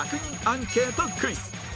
アンケートクイズ